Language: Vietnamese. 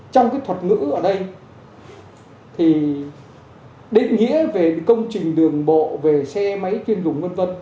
trong cái thuật ngữ ở đây thì định nghĩa về công trình đường bộ về xe máy chuyên dùng v v